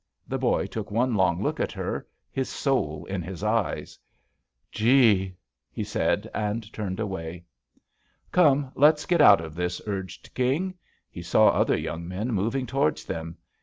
The boy took one long look at her, his soul in his eyes. "Gee 1" he said, and turned away. "Come, let's get out of this," urged King. He saw other young men moving towards them.